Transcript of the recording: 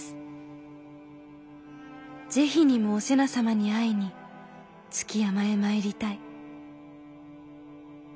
是非にもお瀬名様に会いに築山へ参りたい」。